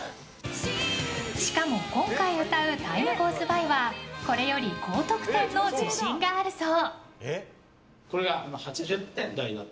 しかも今回歌う「Ｔｉｍｅｇｏｅｓｂｙ」はこれより高得点の自信があるそう。